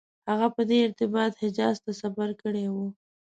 هغه په دې ارتباط حجاز ته سفر کړی و.